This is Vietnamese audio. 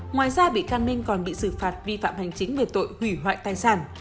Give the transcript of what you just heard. ngoài ra bị can ninh còn bị xử phạt vi phạm hành chính về tội hủy hoại tài sản